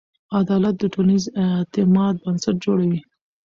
عدالت د ټولنیز اعتماد بنسټ جوړوي.